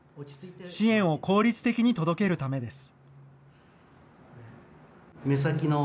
支援を効率的に届けるためです。